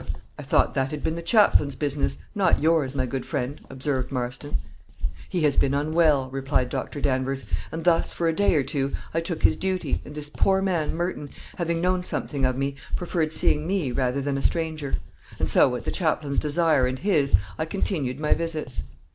"Humph! I thought that had been the chaplain's business, not yours, my good friend," observed Marston. "He has been unwell," replied Dr. Danvers; "and thus, for a day or two, I took his duty, and this poor man, Merton, having known something of me, preferred seeing me rather than a stranger; and so, at the chaplain's desire and his, I continued my visits."